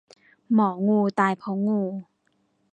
หมองูตายเพราะงู